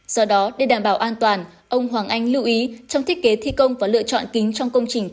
do đó để đảm bảo an toàn ông hoàng anh lưu ý trong thiết kế thi công và lựa chọn kính trong công trình